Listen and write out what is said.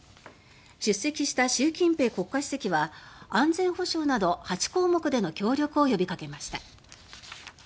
出席した習近平国家主席は安全保障など８項目での協力を呼びかけました。